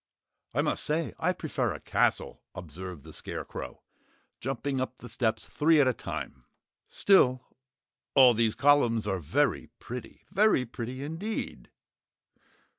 "I must say I prefer a castle," observed the Scarecrow, jumping up the steps three at a time. "Still, all these columns are very pretty. Very pretty indeed!"